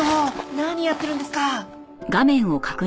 何やってるんですか！